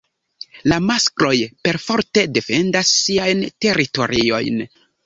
La maskloj perforte defendas siajn teritoriojn.